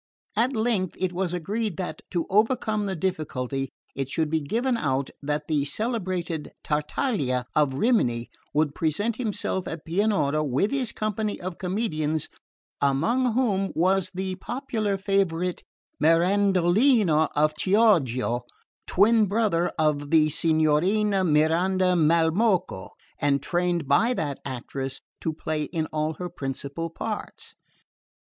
At length it was agreed that, to overcome the difficulty, it should be given out that the celebrated Tartaglia of Rimini would present himself at Pianura with his company of comedians, among whom was the popular favourite, Mirandolino of Chioggia, twin brother of the Signorina Miranda Malmocco, and trained by that actress to play in all her principal parts.